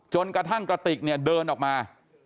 กระทั่งกระติกเนี่ยเดินออกมา